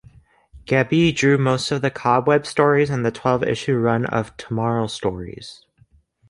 Gebbie drew most of the Cobweb stories in the twelve-issue run of "Tomorrow Stories".